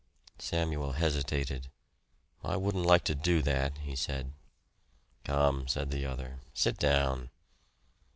Samuel hesitated. "I wouldn't like to do that," he said. "Come," said the other, "sit down."